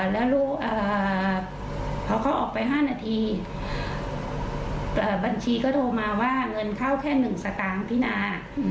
แล้วพอเขาออกไป๕นาทีบัญชีก็โทรมาว่าเงินเข้าแค่๑สตางค์พี่นา